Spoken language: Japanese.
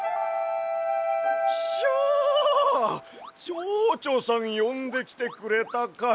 ちょうちょさんよんできてくれたかや。